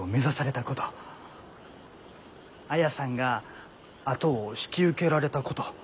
綾さんが後を引き受けられたこと。